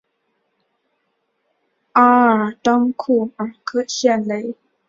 阿尔当库尔科谢雷。